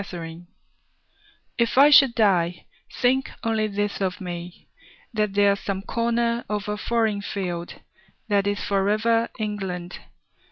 The Soldier If I should die, think only this of me: That there's some corner of a foreign field That is for ever England.